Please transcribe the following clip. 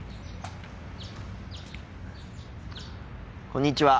こんにちは。